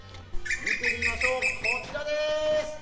見てみましょう、こちらです。